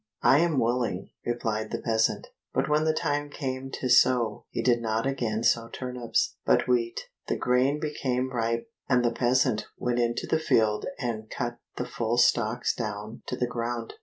"I am willing," replied the peasant; but when the time came to sow, he did not again sow turnips, but wheat. The grain became ripe, and the peasant went into the field and cut the full stalks down to the ground.